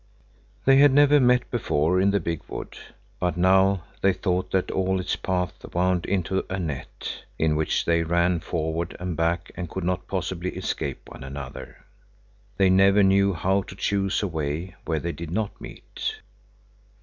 They had never met before in the big wood, but now they thought that all its paths wound into a net, in which they ran forward and back and could not possibly escape one another. They never knew how to choose a way where they did not meet.